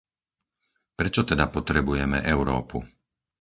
Prečo teda potrebujeme Európu?